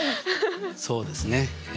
そうですね。